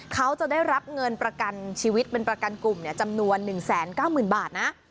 เขาจะได้รับเงินประกันชีวิตเป็นประกันกลุ่มจำนวน๑๙๐๐๐บาทนะ